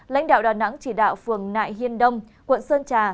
lãnh đạo đà nẵng chỉ đạo phường nại hiên đông quận sơn trà